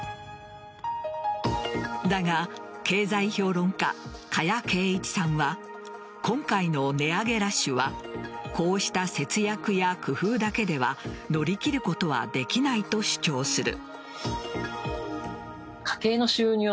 だが、経済評論家加谷珪一さんは今回の値上げラッシュはこうした節約や工夫だけでは乗り切ることはできないと主張する。